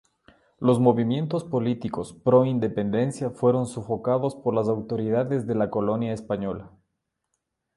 Los movimientos políticos pro independencia fueron sofocados por las autoridades de la Colonia española.